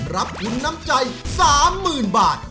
รับทุนน้ำใจ๓๐๐๐บาท